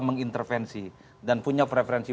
mengintervensi dan punya preferensi